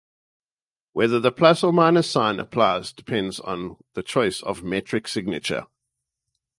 Whether the plus or minus sign applies depends on the choice of metric signature.